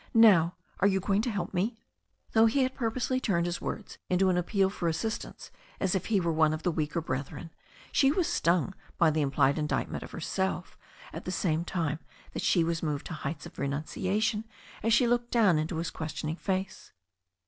Now, are you going to help me ?" Though he had purposely turned his words into an appeal for assistance, as if he were one of the weaker brethren, she was stung by the implied indictment of herself, at the same time that she was moved to heights of renunciation as she looked down into his questioning face.